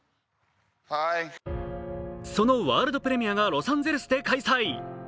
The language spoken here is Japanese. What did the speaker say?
そのワールドプレミアがロサンゼルスで開催。